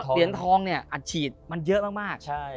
เหรียญทองเนี่ยอัดฉีดมันเยอะมาก